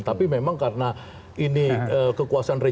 tapi memang karena ini kekuasaan